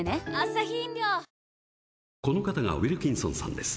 この方がウィルキンソンさんです。